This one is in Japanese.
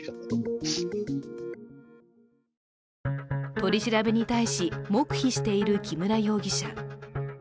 取り調べに対し、黙秘している木村容疑者。